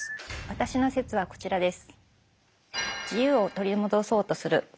私の説はこちらです。